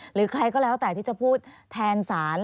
หรือใครก็แล้วแต่ที่จะพูดแทนศาล